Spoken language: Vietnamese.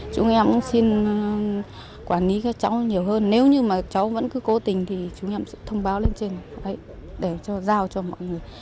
chúng em xin quản lý các cháu nhiều hơn nếu như cháu vẫn cứ cố tình thì chúng em sẽ thông báo lên trên để giao cho mọi người